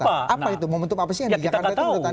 apa itu momentum apa sih